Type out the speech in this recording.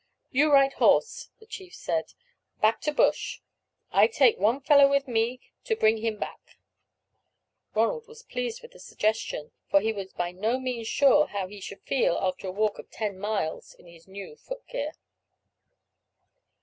"You ride horse," the chief said, "back to bush. I take one fellow with me to bring him back." Ronald was pleased at the suggestion, for he was by no means sure how he should feel after a walk of ten miles in his new foot gear.